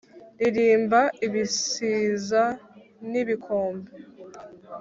ririmba ibisiza n’ibikombe